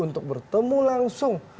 untuk bertemu langsung